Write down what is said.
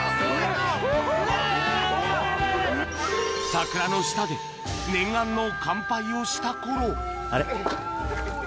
桜の下で念願の乾杯をした頃あれ？